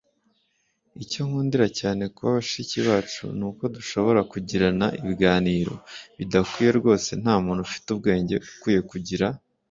icyo nkundira cyane kuba bashiki bacu ni uko dushobora kugirana ibiganiro bidakwiriye rwose nta muntu ufite ubwenge ukwiye kugira